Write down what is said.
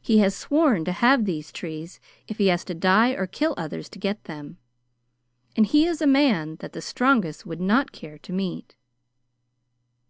He has sworn to have these trees if he has to die or to kill others to get them; and he is a man that the strongest would not care to meet."